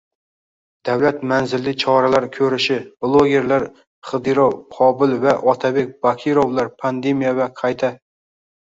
Davlat manzilli koralar qurishi - Blogerlar Xidirov Qobil va Otabek Bakirovlar pandemiya va qayta